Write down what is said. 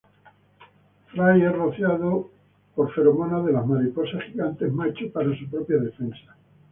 Fry es rociado por feromonas de la mariposa gigante macho para su propia defensa.